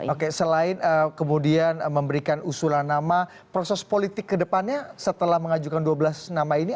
oke selain kemudian memberikan usulan nama proses politik ke depannya setelah mengajukan dua belas nama ini